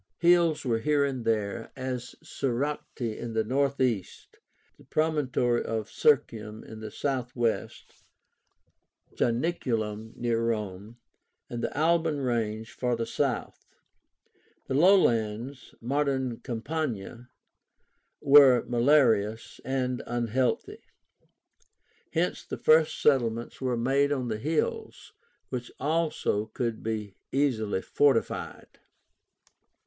Hills rise here and there; as Soracte in the northeast, the promontory of Circeium in the southwest, Janiculum near Rome, and the Alban range farther south. The low lands (modern Campagna) were malarious and unhealthy. Hence the first settlements were made on the hills, which also could be easily fortified.